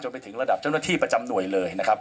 ไปถึงระดับเจ้าหน้าที่ประจำหน่วยเลยนะครับ